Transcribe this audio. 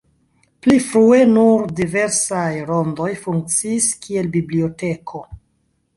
Pli frue nur diversaj rondoj funkciis, kiel biblioteko.